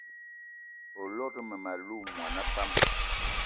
O lot mmem- alou mona pam?